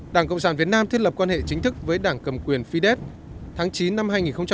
đảng cộng sản việt nam thiết lập quan hệ chính thức với đảng cầm quyền fidesh tháng chín năm hai nghìn một mươi ba